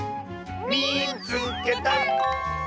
「みいつけた！」。